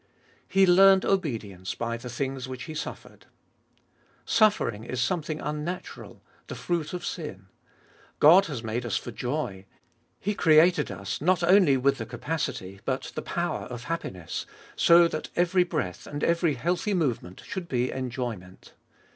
He learned obedience by the things which He suffered. Suffering is something unnatural, the fruit of sin. God has made us for joy. He created us not only with the capacity, but the power of happiness, so that every breath and every healthy movement should be enjoyment.